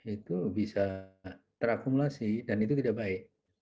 itu bisa terakumulasi dan itu tidak baik